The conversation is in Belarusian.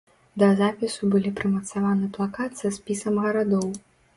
Да запісу быў прымацаваны плакат са спісам гарадоў.